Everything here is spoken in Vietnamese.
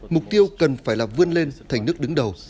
mục tiêu cần phải là vươn lên thành nước đứng đầu